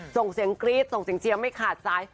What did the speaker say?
ส่งเสียงกรี๊ดส่งเสียงเชียร์ไม่ขาดสาย